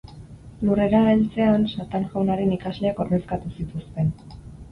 Lurrera heltzean Satan jaunaren ikasleak ordezkatu zituzten.